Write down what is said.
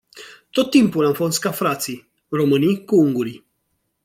Tot timpul am fost ca frații, românii cu ungurii.